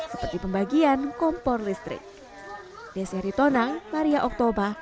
seperti pembagian kompor listrik